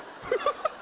ハハハ。